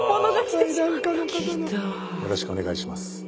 よろしくお願いします。